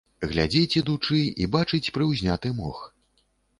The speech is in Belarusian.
Глядзіць, ідучы, і бачыць прыўзняты мох.